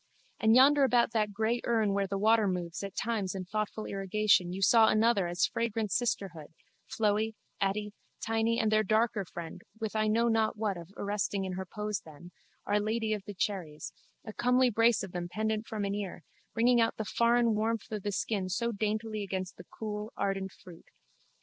And yonder about that grey urn where the water moves at times in thoughtful irrigation you saw another as fragrant sisterhood, Floey, Atty, Tiny and their darker friend with I know not what of arresting in her pose then, Our Lady of the Cherries, a comely brace of them pendent from an ear, bringing out the foreign warmth of the skin so daintily against the cool ardent fruit.